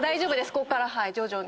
こっから徐々に。